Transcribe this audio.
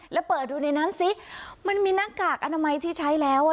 แล้วเปิดดูในนั้นซิมันมีหน้ากากอนามัยที่ใช้แล้วอ่ะ